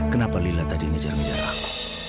kenapa lila tadi ngejar ngejar apa